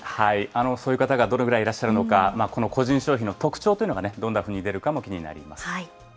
そういう方がどのぐらいいらっしゃるのか、この個人消費の特徴というのがどんなふうに出るかも気になります。